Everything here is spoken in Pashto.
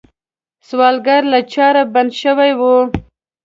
سوالګر له چاره بنده شوی وي